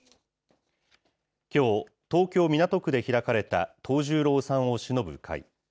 きょう、東京・港区で開かれた藤十郎さんをしのぶ会。